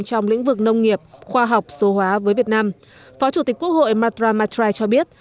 trong lĩnh vực nông nghiệp khoa học số hóa với việt nam phó chủ tịch quốc hội marta matrai cho biết